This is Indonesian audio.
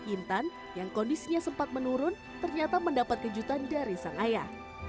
intan yang kondisinya sempat menurun ternyata mendapat kejutan dari sang ayah